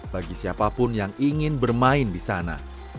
bagi siapapun yang ingin bermain di sana